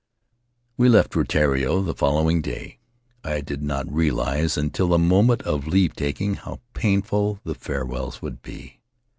We left Rutiaro the following day. I did not realize until the moment of leave taking how painful the farewells would be.